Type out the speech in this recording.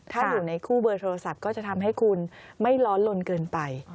ถ้าอยู่ในคู่เบอร์โทรศัพท์ก็จะทำให้คุณไม่ร้อนลนเกินไป